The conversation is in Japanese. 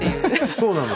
そうなの。